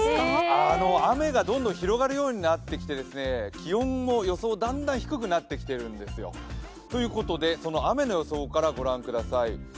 雨がどんどん広がるようになってきて気温も予想、だんだん低くなってきているんですよということでその雨の予想からご覧ください。